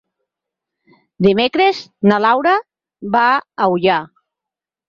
Dimecres na Laura va a Ullà.